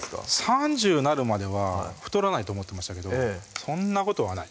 ３０なるまでは太らないと思ってましたけどそんなことはない